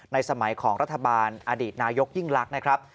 สมัยของรัฐบาลอดีตนายกยิ่งลักษณ์นะครับ